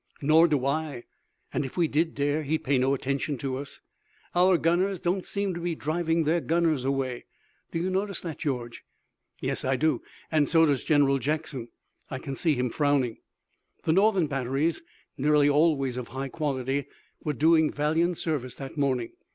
"Nor do I, and if we did dare he'd pay no attention to us. Our gunners don't seem to be driving their gunners away. Do you notice that, George?" "Yes, I do and so does General Jackson. I can see him frowning." The Northern batteries, nearly always of high quality, were doing valiant service that morning.